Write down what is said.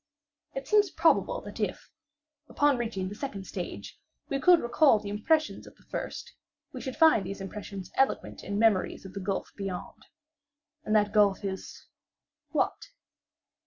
It seems probable that if, upon reaching the second stage, we could recall the impressions of the first, we should find these impressions eloquent in memories of the gulf beyond. And that gulf is—what?